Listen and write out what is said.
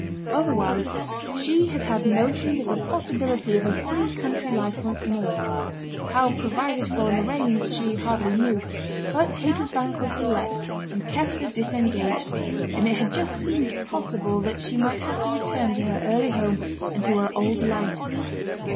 Otherwise, she had had notions of the possibility of a free country life once more how provided for and arranged she hardly knew; but Haytersbank was to let, and Kester disengaged, and it had just seemed possible that she might have to return to her early home, and to her old life.